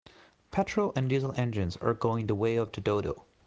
Petrol and Diesel engines are going the way of the dodo.